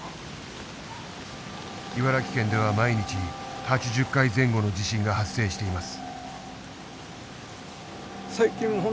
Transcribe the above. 茨城県では毎日８０回前後の地震が発生しています。